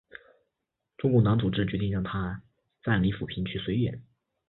中共党组织决定让他暂离阜平去绥远。